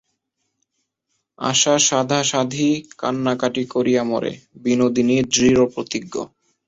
আশা সাধাসাধি কান্নাকাটি করিয়া মরে–বিনোদিনী দৃঢ়প্রতিজ্ঞ।